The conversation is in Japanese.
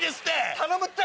頼むって！